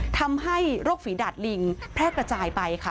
ทำให้โรคฝีดาดลิงแพร่กระจายไปค่ะ